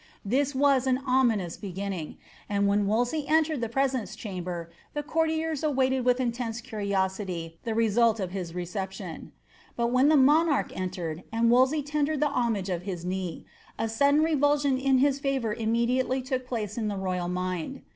This was an ominous beginning; and when Wolsey entered the pre«ence chamber, the courtiers awaited with intense curiosity the mnlt of his reception. But when the monarch entered, and Wolsey ■(ndered the homage of his knee, a sudden revulsion in hia favour evi ilFnily look place in the royal mind.